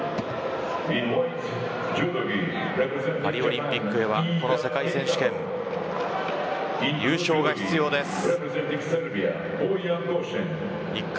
パリオリンピックへはこの世界選手権優勝が必要です。